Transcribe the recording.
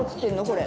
これ。